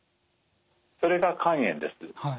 それが肝炎です。